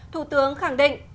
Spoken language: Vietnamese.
thủ tướng khẳng định